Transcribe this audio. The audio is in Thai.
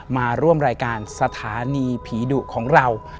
มาร่วมรายการสถานีผีดุของเรา